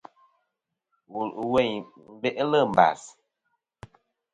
Wùl ɨ̀ wèyn nɨ̀n beʼlɨ̂ mbàs.